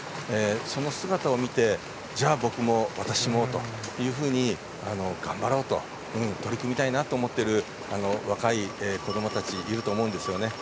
その姿を見てじゃあ僕も私も頑張ろうと、取り組みたいなと思っている若い子どもたちがいると思うんですよね。